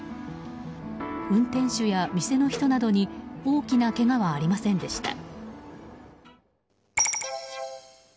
運転手や店の人などに大きなけがはありませんでした。